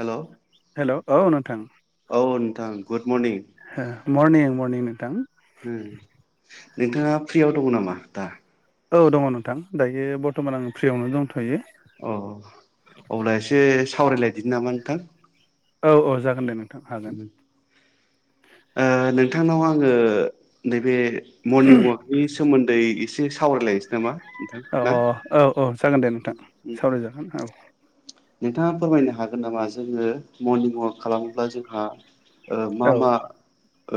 Hello hello औ नोंथां मनि मरनिं मरनिं नोंथां उम नोंथाङा फ्रियाव दङ नामा दा? औ दङ नोंथां दायो बरथ'मान आं फ्रियावनो दंथ'यो। अ अब्ला एसे सावरायलायदि नामा नोंथां। औ औ जागोन दे नोंथां हागोन। ओ नोंथांनाव आङो नैबे मरनिं वाकनि सोमोन्दै एसे सावरायलायनोसै नामा। नोंथां औ ना औ औ औ जागोन दे नोंथां सावरायजागोन औ। नोंथाङा फोरमायनो हागोन नामा जोङो मर्निं वाक खालामोब्ला जोंहा ओ मा औ मा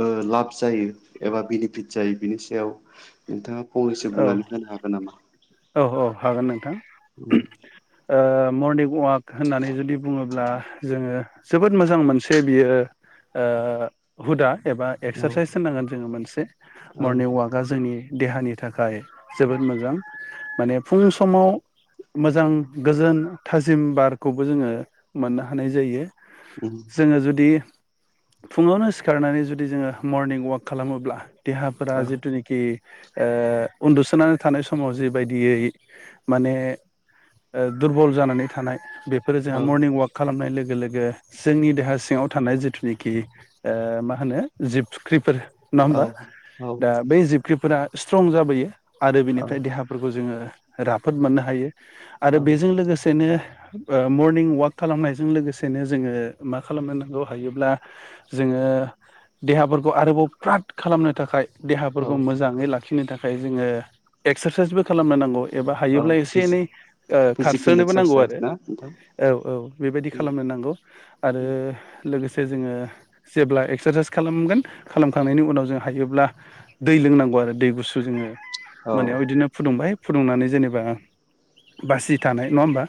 ओ लाब जायो एबा बेनिफिट जायो बिनि सायाव नोंथाङा फंनैसो औ बुंनानै होनो हागोन नामा? औ औ हागोन नोंथां। ओ मर्निं वाक होननानै जुदि बुङोब्ला जोङो जोबोद मोजां मोनसे बियो ओ हुदा एबा औ एक्सारसाइस होननांगोन जोङो मोनसे औ मर्निं वाकआ जोंनि देहानि थाखाय जोबोद मोजां माने फुं समाव मोजां गोजोन थाजिम बारखौबो जोङो मोननो हानाय जायो। जोङो जुदि फुङावनो सिखारनानै जुदि जोङो मर्निं वाक खालामोब्ला देहाफोरा जिथुनिखि ओ उन्दुसोनानै थानाय समाव जिबायदियै माने दुरबल जानानै थानाय बेफोरो औ जोंहा मर्निं वाक खालामनाय लोगो लोगो जोंनि देहा सिङाव थानाय जिथुनिखि मा होनो जिबख्रिफोर नङा होमबा औ औ दा बै जिबख्रिफोरा स्ट्रं जाबोयो आरो औ बेनिफ्राय देहाफोरखौ जोङो राफोद मोननो हायो। आरो औ बेजों लोगोसेनो ओ मर्निं वाक खालामनायजों लोगोसेनो जोङो मा खालामनांगौ हायोब्ला जों ओ देहाफोरखौ आरोबाव फ्राद खालामनो थाखाय देहाफोरखौ औ मोजाङै लाखिनो थाखाय जोङो एक्सारसाइसबो खालामनो नांगौ। एबा हायोब्ला औ एसे एनै फिजिकेल खारस्रोनोबो नांगौ एक्सारसाइस आरो। ना नोंथां औ औ बेबायदि खालामनो नांगौ आरो लोगोसे ओमफ्राय जोङो जेब्ला एक्सार्साइस खालामगोन खालामखांनायनि उनाव जों हायोब्ला दै लोंनांगौ दै। गुसु जोङो औ मोनायाव बिदिनो फुदुंबाय फुदुंनानै जेनेबा बासि थानाय नङा होमबा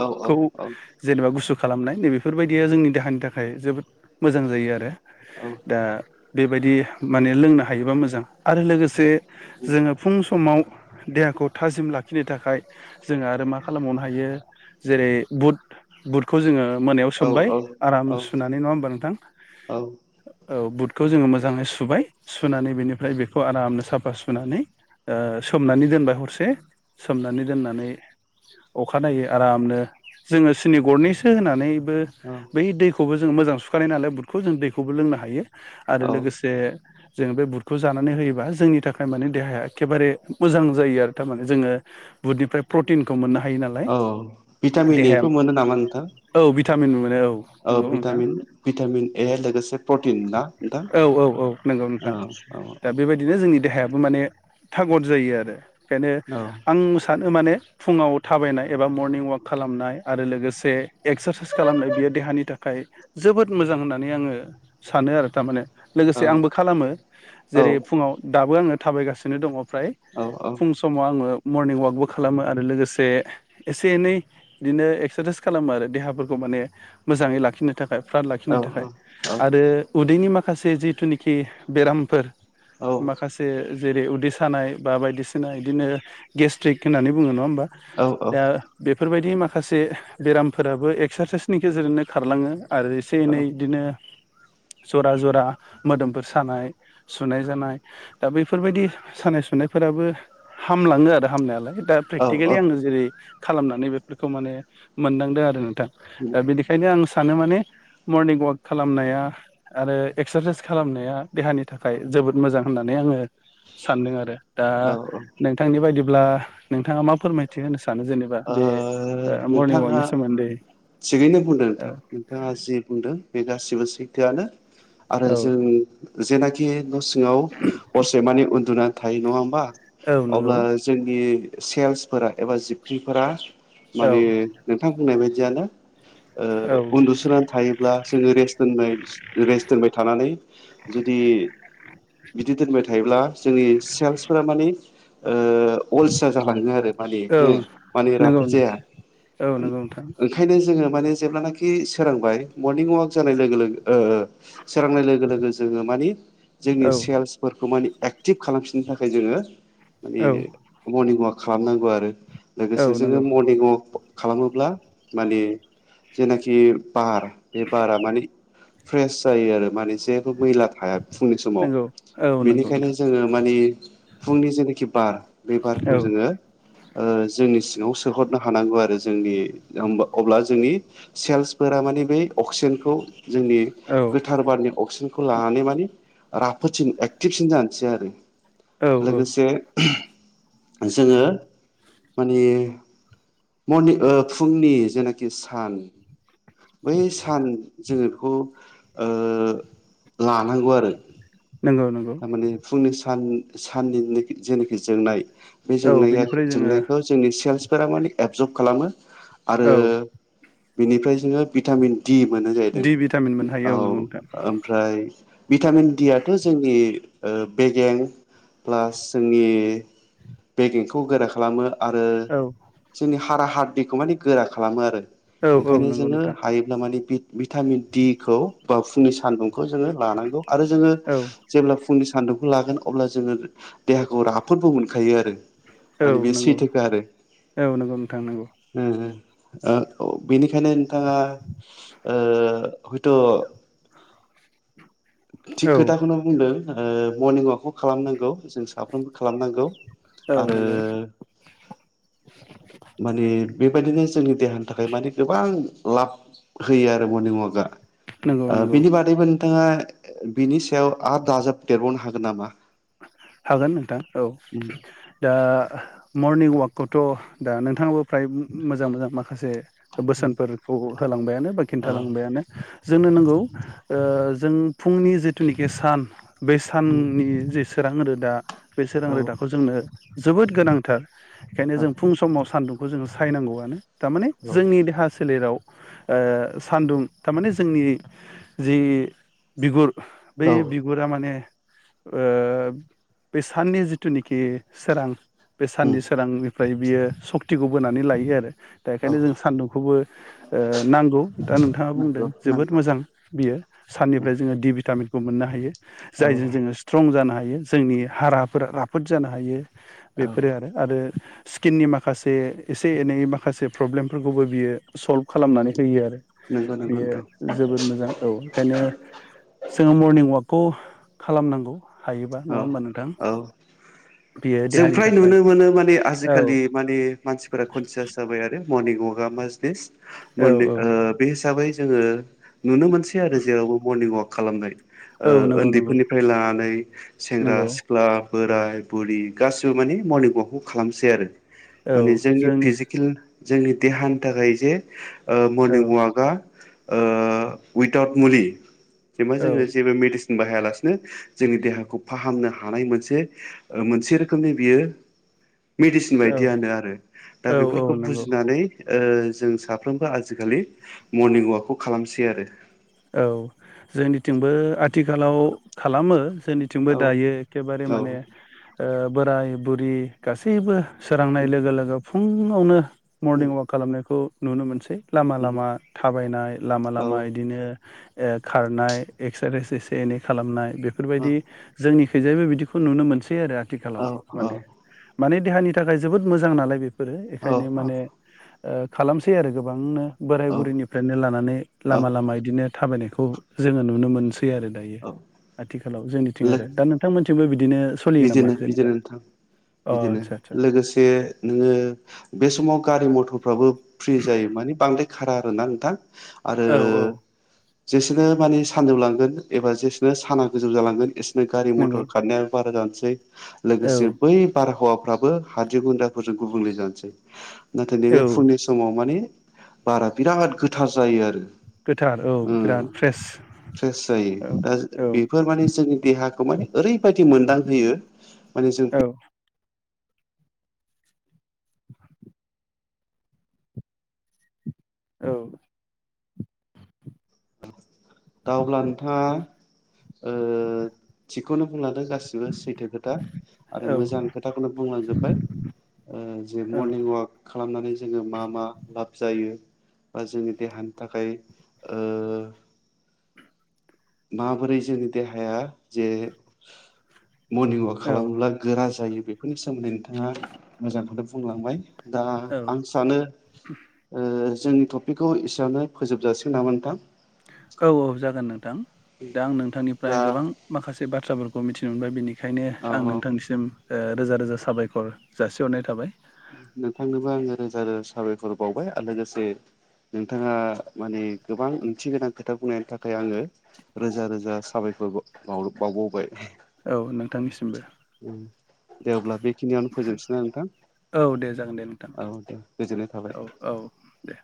औ औ जेनबा गुसु खालामनाय नैबेफोरबायदिया जोंनि देहानि थाखाय जोबोद मोजां जायो आरो औ दा बेबायदि माने लोंनो हायोबा मोजां आरो लोगोसे जोङो फुं समाव देहाखौ थाजिम लाखिनो थाखाय जों आरो मा खालामबावनो हायो जेरै बुट-बुटखौ जोङो मोनायाव औ सोमबाय औ औ आराम सुनानै नङा होमबा नोंथां औ खौ जोङो मोजाङै सुबाय सुनानै बेनिफ्राय बेखौ आरामनो साफ बा सुनानै सोमनानै दोनबाय हरसे सोमनानै दोननानै अखानाययै आरामनो जोङो सिनि गरनैसो होनानै बै दैखौबो जों मोजां सुखानाय नालाय बुटखौ जों दैखौबो लोंनो हायो आरो औ लोगोसे जों बे बुटखौ जानानै होयोबा जोंनि थाखाय माने देहाया एखेबारे मोजां जायो आरो थारमाने जोङो बुधनिफ्राय प्रटिनखौ मोननो हायो हायो नालाय औ भिटामिन देहाया एफोर मोनो नामा नोंथां औ भिटामिन मोनो औ औ नंगौ नोंथां भिटामिन भिटामिन ए लोगोसे प्रटिन ना नोंथां औ औ औ नंगौ नोंथां औ दा औ बेबायदिनो जोंनि देहायाबो माने थागद जायो आरो ओंखायनो आं सानो माने फुङाव थाबायनाय एबा मर्निं वाक खालामनाय आरो लोगोसे एक्सारसाइस खालामनाय बियो देहानि थाखाय जोबोद मोजां होननानै आङो सानो आरो थारमाने लोगोसे आंबो खालामो जेरै फुङाव दाबो आङो थाबायगासिनो दङ ओमफ्राय औ फुं समाव आङो मर्निं वाकबो खालामो आरो लोगोसे एसे एनै बिदिनो एक्सारसाइस खालामो आरो देहाफोरखौ माने मोजाङै लाखिनो थाखाय फ्राद औ लाखिनो थाखाय आरो उदैनि माखासे जिथुनिखि बेरामफोर माखासे जेरै उदै सानाय बा बायदिसिना बिदिनो गेस्ट्रिक होननानै बुङो नङा होम दा बे बेफोरबायदि माखासे बेरामफोराबो एक्सारसाइसनि गेजेरजोंनो खारलाङो आरो एसे-एनै बिदिनो जरा-जरा मोदोमफोर सानाय-सुनाय जानाय दा बेफोरबायदि सानाय-सुनायफोराबो हामलाङो आरो हामनायालाय दा औ प्रेकटिकेलि आङो जेरै खालामनानै बेफोरखौ माने मोनदांदों आरो दा बेनिखायनो आं सा सानो माने मर्निं वाक खालामनाया आरो एक्सारसाइस खालामनाया देहानि थाखाय जोबोद मोजां होननानै आङो सानदों आरो दा औ ओ नोंथांनि बायदि ब्ला नोंथाङा मा फोरमायथि होनो सानो जेनेबा बे मरनिं वाकनि नोंथाङा सोमोन्दै थिगैनो बुंदों औ नोंथां नोंथाङा जि बुंदों बे गासिबो सैथोआनो आरो औ जों जेनाखि न' सिङाव हरसे मानि उन्दुनानै थायो नङा होमबा औ नंगौ अब्ला जोंनि सेल्सफोरा एबा जिबख्रिफोरा औ माने नोंथां बुंनाय बायदियानो औ ओ उन्दुसोनानै थायोब्ला जोङो रेस्ट दोननाय रेस्ट दोनबाय थानानै जुदि बिदि दोनबाय थायोब्ला जोंनि सेल्सफोरा माने ओ अलसिया जालाङो आरो माने औ माने नंगौ राफोद जाया औ नंगौ नोंथां ओंखायनो जोङो जेब्ला नोखि सोरांबाय मरनिं वाक जानाय लोगो लोगो ओ ओ सोरांनाय लोगो लोगो मानि जोंनि औ सेल्सफोरखौ मानि एक्टिभ खालामफिननो थाखाय जोङो माने औ मर्निं वाक खालामनांगौ आरो औ लोगोसे जोङो नंगौ मरनिं वाक खालामोब्ला माने जेनाखि बार बे बारा माने फ्रेस जायो आरो माने जेबो मैला थाया फुंनि समाव नंगौ औ नंगौ बेनिखायनो नोंथां जोङो मानि फुंनि जेनोखि बार बे बारखौ औ जोङो ओ जोंनि सिंआव सोहरनो हानांगौ आरो जोंनि अब्ला जोंनि सेलसफोरा माने बे अक्सिजेनखौ जोंनि औ गोथार बारनि अक्सिजेनखौ लानानै मानि राफोदसिन एक्टिभसिन जानोसै आरो औ लोगोसे जोङो मानि मनि फुंनि जेनाखि सान बै सान जोङो बेखौ ओ लानांगौ आरो। नंगौ नंगौ थारमाने फुंनि सान साननि जेनाखि जोंनाय बे औ जोंनाया बेनिफ्राय जोङो जोंनायखौ जोंनि सेल्सफोरा माने एबजर्ब खालामो। आरो औ बिनिफ्राय जोङो भिटामिन दि मोननाय जाहैदों दि भिटामिन मोननो हायो नंगौ औ नोंथां ओमफ्राय भिटामिन डियाथ' जोंनि बेगें प्लास जोंनि बेगेंखौ गोरा खालामो आरो औ जोंनि हारा हादिखौ मानिे गोरा खालामो आरो। औ औ ओंखायनो नंगौ जोङो नोंथां हायोब्ला माने भिटामिन खौ बा फुंनि सानदुं खौ जों लानांगौ आरो जोङो औ जे फुंनि सान्दुंखौ लागोन अब्ला जोङो देहाखौ राफोदबो मोनखायो आरो। औ माने बे नंगौ। सैथोखा आरो। औ नंगौ नोंथां नंगौ ओ-ओ। ओ बेनिखायनो नोंथाङा ओ हयथ' थिग औ खोथाखौनो बुंदों ओ मर्निं वाकखौ खालामनांगौ जों साफ्रोमबो खालामनांगौ। औ आरो नंगौ माने बेबायदिनो जोंनि देहानि थाखाय मान गोबां लाब होयो आरो मर्निं अवाकआ। नंगौ ओ नंगौ बिनि बादैबो नोंथाङा बिनि सायाव आरो दाजाबदेरबावनो हागोन नामा? हागोन नोंथां औ उम दा मर्निं अवाकखौथ' दा नोंथाङाबो फ्राय मोजां मोजां माखासे उम बोसोनफोरखौ होलांबायानो बा औ खिन्थालांबायानो। जोंनो नंगौ जों फुंनि जिथुनाखि सान बे साननि जि सोरां रोदा बे सोरां रोदाखौ जोंनो जोबोद गोनांथार। बेखायनो औ जों फुं समाव सान्दुंखौ जोङो सायनांगौआनो थारमाने जोंनि देहासो सोलेराव सान्दुं थारमाने जोंनि जि बिगुर बै औ बिगुरा माने बे साननि जिथुनिखि सोरां बे उम साननि सोरांनि ओमफ्राय बियो सक्तिखौ बोनानै लायो आरो। दा औ बेखायनो जों सान्दुंखौबो नांगौ दा नोंथाङा बुंदों नंगौ जोबोद नंगौ मोजां बियो। उम साननिफ्राय जोङो दि भिटामिन खौ मोननो हायो औ जायजों जोङो स्ट्रं जानो हायो जोंनि हाराफोरा राफोद जानो हायो। औ बेफोरो आरो आरो स्किननि माखासे एसे एनै माखासे प्रब्लेमफोरखौबो बियो सल्भ खालामनानै होयो आरो। नंगौ नंगौ बेयो नोंथां जोबोद मोजां औ ओंखायनो जोङो मर्निं अवाकखौ खालामनांगौ हायोबा नङा होमबा नोंथां? औ बियो जों देहानि फ्राय थाखाय नुनो मोनो माने औ आजिखालि माने मानसिफोरा कनसियास जाबाय आरो। मर्निं वाकआ मासत बि औ मोन औ ओ बे हिसाबै जोङो नुनो मोनसै आरो जेरावबो मर्निं अवाक खालामनाय। ओ औ नंगौ नंगौ उन्दैफोरनिफ्राय लानानै सेंग्रा नंगौ सिख्ला बोराय बुरि गासिबो माने मर्निं अवाकखौ खालामसै आरो माने जोंनि फिजिकेल जोंनि देहानि थाखाय जे औ मर्निं वाकआ ओ उइदाउट मुलि जेनबा औ जोङो जेबो मदिसिन बाहायालासिनो जोंनि देहाखौ फाहामनो हानाय मोनसे मोनसे रोखोमनि बियो मेडिसिन औ बायदियानो आरो दा औ औ बेफोरखौ नंगौ बुजिनानै ओ जों साफ्रोमबो आजिखालि मरनिं अवाकखौ खालामसै आरो। औ जोंनिथिंबो आथिखालाव खालामो। जोंनिथिंबो औ दायो एखेबारे औ माने बोराय बुरि गासैबो सोरांनाय लोगो लोगो फुङावनो उम मरनिं वाक खालामनायखौ नुनो मोनसै। लामा उम लामा थाबायनाय लामा औ लामा बिदिनो ओ खारनाय एक्सारसाइस एसे एनै खालामनाय औ बेफोरबायदि जोंनि थैजायबो बिदिखौ नुनो मोनसै आरो आथिखालाव औ औ माने माने देहानि थाखाय जोबोद मोजां नालाय बे। फोरो बेखायनो माने ओ खालामसै आरो गोबांनो। बोराय औ बुरैनिफ्रायनो लानानै औ लामा लामा इदिनो थाबायनायखौ जोङो नुनो मोनस आरो दायो औ आथिखालाव जोंनिथिं आरो दा नोंथांमोनथिंबो बिदि बिजिरो बिजिरो नोंथां। अ बिदिनो आदसा आदसा लोगोसे नोङो बे समाव गारि मथर फ्राबो फ्रि जायो माने बांद्राय खारा आरोना नोंथां आरो जेसेनो माने सानजौलांगोन एबा जेसेनो साना गोजौ जालांगोन एसोरनो गारि नंगौ मथर खारनाया बारा जसै औ लोगोसे बै बारहावा फाबो हाद्रि गुन्द्राफोरजों गुबुंले जानोसै नाथाय नैबे औ फुंनि समाव माने बारा बिराद गोथार जायो आरो गोथार औ ओ बिराद फ्रेस फ्रेस जायो औ दा औ बेफोर माने जोंनि देहाखौ मान ओरैबायदि मोनदांहयो माने जों औ औ दा अब्ला नोंथाङा ओ थिगखौनो बुंलादो गासै गासिबो सैथो खोथा आरो औ मोजां खोथाखौनो बुंलांजोबबाय। जे औ मरनिं वाक खालामनानै जोङो मा मा लाब जायो। बा जोंनि देहानि थाखाय ओ - माबोरै जोंनि देहाया जे मरनिं वाक खालामोबब्ला गोरा जायो बेफोरनि सोमोन्दै नोंथाङा मोजांखौनो बुंलांबाय। दा औ आं सानो ओ जोंनि टपिकखौ एसेबनो फोजोबजासिगोन नामा नोंथां। औ औ जागोन नोंथां दा आं दा नोंथांनिफ्राय गोबां माखासे बाथ्राफोरखौ खौ मिथिनो मोनबाय बिनिखायनो औ आं औ नोंथांनिसिम ओ रोजा रोजा साबायखर जासिहरनाय थाबाय। नोंथांनोबो आङो रोजा रोजा साबायखर बावबाय आरो लोगोसे नोंथाङा माने गोबां ओंथि गोनां खोथा बुंनायनि थाखाय आङो रोजा रोजा साबायखर। बावबाव बावबावबाय औ नोंथांनिसिमबो दे अब्ला बेखिनियावनो फोजोबनोसै ना नोंथां। औ दे जागोन दे नोंथां औ दे गोजोननाय थाबाय औ औ दे